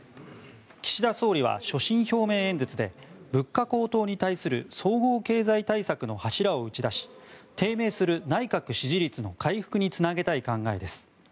岸田総理は所信表明演説で物価高騰に対する総合経済対策の柱を打ち出し低迷する内閣支持率の回復につなげたい考えです。